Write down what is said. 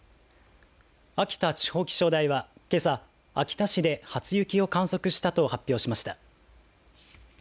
秋田地方気象台は、けさ秋田市で初雪を観測したと発表しました。